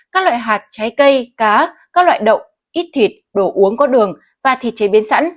các loại hạt trái cây cá các loại đậu ít thịt đồ uống có đường và thịt chế biến sẵn